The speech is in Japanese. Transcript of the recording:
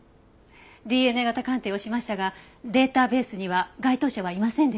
ＤＮＡ型鑑定をしましたがデータベースには該当者はいませんでした。